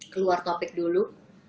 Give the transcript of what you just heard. keluar topik dulu